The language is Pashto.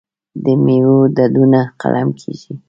د میوو ډډونه قلم کیږي.